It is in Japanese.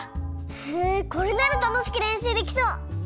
へえこれならたのしくれんしゅうできそう！